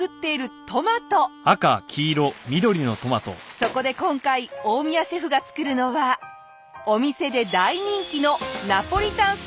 そこで今回大宮シェフが作るのはお店で大人気のナポリタンスパゲティ。